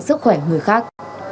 sức khỏe người khác